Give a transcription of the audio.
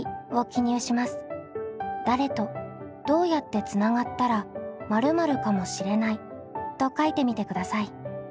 「誰とどうやってつながったら〇〇かもしれない」と書いてみてください。